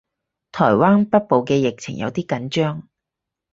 台灣北部嘅疫情有啲緊張